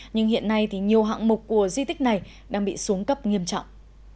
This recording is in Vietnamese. nhưng hiện nay thì nhiều hạng mục của di tích này đang bị xuống cấp nghiêm trọng